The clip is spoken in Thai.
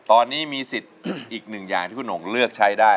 ตอนนี้มีสิทธิ์อีกหนึ่งอย่างที่คุณหงเลือกใช้ได้